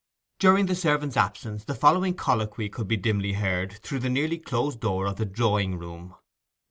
During the servant's absence the following colloquy could be dimly heard through the nearly closed door of the drawing room.